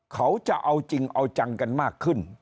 เขาจะเอาจริงเอาจังกันมากขึ้น